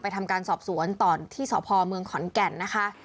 ทำการสอบสวนต่อที่สพเมืองขอนแก่นนะคะ